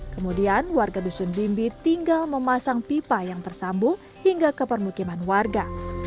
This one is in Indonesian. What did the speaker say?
kemudian warga dusun bimbi tinggal memasang pipa yang tersambung hingga ke permukiman warga